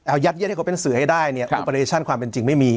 เอายัดเย็ดให้เขาเป็นสื่อให้ได้เนี่ยอุปเดชั่นความเป็นจริงไม่มี